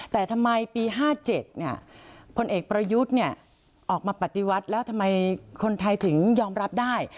แต่ทำไมปี๕๗พลเอกประยุทธ์ออกมาปฏิวัติแล้วทำไมคนไทยถึงยอมรับได้